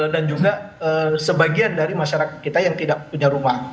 dan juga sebagian dari masyarakat kita yang tidak punya rumah